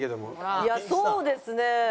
いやそうですね。